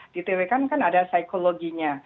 di twk kan kan ada psikologinya